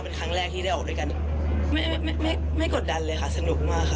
เป็นครั้งแรกที่ได้ออกด้วยกันไม่ไม่กดดันเลยค่ะสนุกมากค่ะ